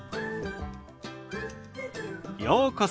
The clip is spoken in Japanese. ようこそ。